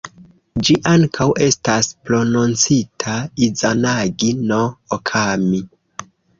Ĝi ankaŭ estas prononcita "Izanagi-no-Okami".